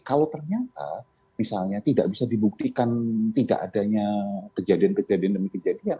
kalau ternyata misalnya tidak bisa dibuktikan tidak adanya kejadian kejadian demi kejadian